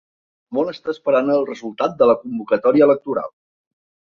El món està esperant el resultat de la convocatòria electoral